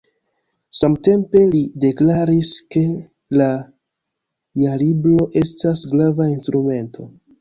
Samtempe li deklaris, ke la Jarlibro estas grava instrumento.